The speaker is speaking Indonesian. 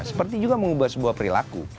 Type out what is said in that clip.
seperti juga mengubah sebuah perilaku